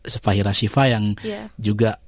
sefahira siva yang juga